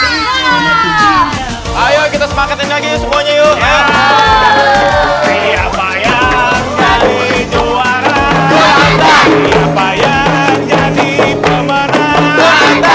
siapa yang jadi pemenang